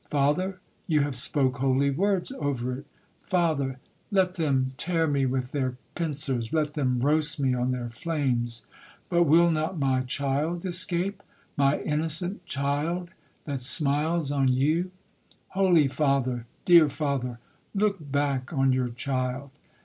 —Father, you have spoke holy words over it. Father, let them tear me with their pincers, let them roast me on their flames, but will not my child escape—my innocent child, that smiles on you?—Holy father, dear father, look back on your child.'